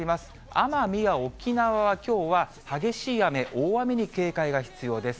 奄美や沖縄はきょうは、激しい雨、大雨に警戒が必要です。